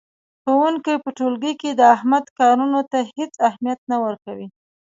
ښوونکی په ټولګي کې د احمد کارونو ته هېڅ اهمیت نه ورکوي.